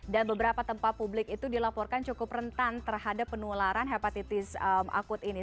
dan beberapa tempat publik itu dilaporkan cukup rentan terhadap penularan hepatitis akut ini